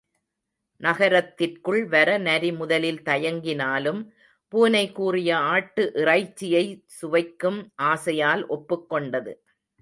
நகரத்திற்குள் வர நரி முதலில் தயங்கினாலும், பூனை கூறிய ஆட்டு இறைச்சியைச் சுவைக்கும் ஆசையால் ஒப்புக்கொண்டது.